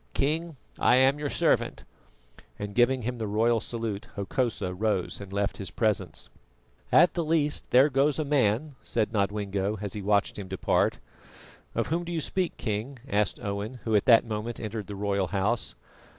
King, I am your servant," and giving him the royal salute, Hokosa rose and left his presence. "At the least there goes a man," said Nodwengo, as he watched him depart. "Of whom do you speak, King?" asked Owen, who at that moment entered the royal house.